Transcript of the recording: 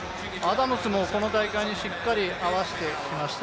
この大会にしっかり合わせてきました。